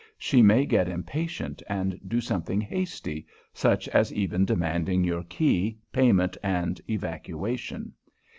She may get impatient and do something hasty, such as even demanding your key, payment and evacuation.